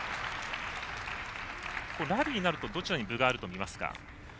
ラリーになるとどちらに分があると見ますか？